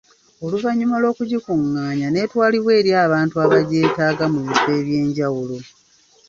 Oluvannyuma lw’okugikung’aanya n’etwalibwa eri abantu abagyetaaga mu bifo ebyenjawulo.